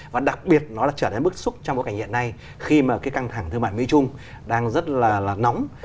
và đặc biệt nó đã trở nên bức xúc trong cảnh hiện nay khi mà cái căng thẳng thương mại mỹ trung đang rất là nóng